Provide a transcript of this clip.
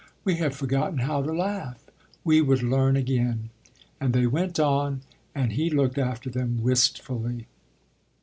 We have forgotten how to laugh. We would learn again." And they went on; and he looked after them wistfully.